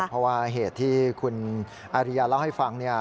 เพราะว่าเหตุที่คุณอาริยาเล่าให้ฟัง